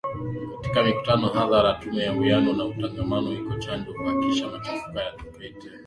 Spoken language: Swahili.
katika mikutano hadhara tume ya uwiano na utangamano iko chonjo kuhakikisha machafuko hayatokei tena